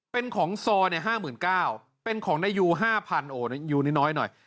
เป็นของซอเนี่ย๕๙๐๐๐เป็นของในยู๕๐๐๐โอ้ยในยูนิ้วน้อยหน่อย